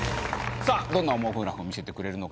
さあどんなオモグラフを見せてくれるのか。